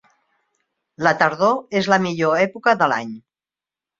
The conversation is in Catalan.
La tardor és la millor època de l'any